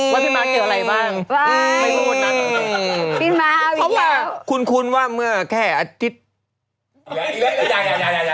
ว่าพี่มาเกือบอะไรบ้าง